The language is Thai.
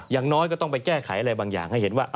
อย่างน้อยก็ต้องไปแก้ไขอะไรบางอย่างให้เห็นว่า